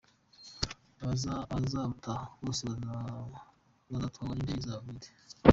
Abazabutaha bose bazatwarwa n’indege zabo bwite.